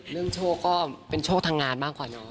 เรื่องโชคก็เป็นโชคทางงานมากกว่าน้อง